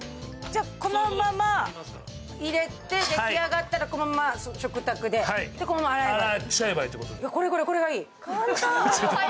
このまま入れて、出来上がったらこのまま食卓でこのまま洗えると。